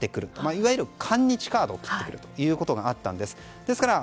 いわゆる反日カードを切ってくることがあったんです。